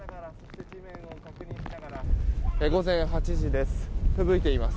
午前８時です。